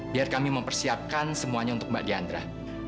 biar kami mempersiapkan semuanya untuk mbak diandra